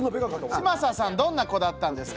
嶋佐さん、どんな子だったんですか？